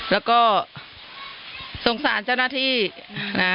แล้วก็สงสารเจ้าหน้าที่นะ